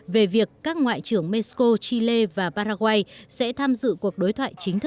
về việc các ngoại trưởng mexico chile và paraguay sẽ tham dự cuộc đối thoại chính thức